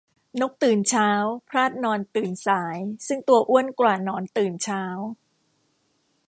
นกตื่นเช้า พลาดหนอนตื่นสาย ซึ่งตัวอ้วนกว่าหนอนตื่นเช้า